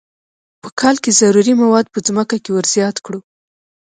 په کال کې ضروري مواد په ځمکه کې ور زیات کړو.